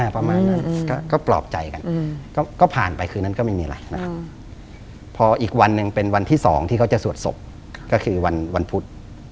ประมาณนั้นก็ปลอบใจกันก็ผ่านไปคืนนั้นก็ไม่มีอะไรนะครับพออีกวันหนึ่งเป็นวันที่๒ที่เขาจะสวดศพก็คือวันพุธ